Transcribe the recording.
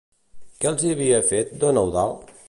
Què els hi havia fet don Eudald?